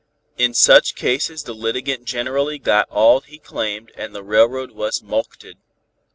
In such cases the litigant generally got all he claimed and the railroad was mulcted.